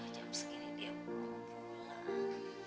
jam segini dia pulang